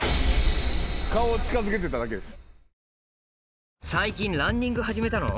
顔を近づけてただけです。